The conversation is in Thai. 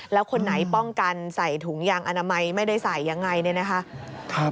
และคนไหนป้องกันใส่ถุงยางอนามัยไม่ได้ใส่อย่างไร